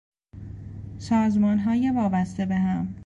سازمانهای وابسته به هم